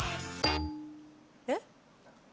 えっ？